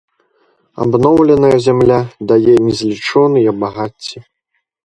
Абноўленая зямля дае незлічоныя багацці.